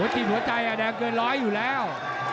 ตีหัวใจแดงเกินร้อยอยู่แล้ว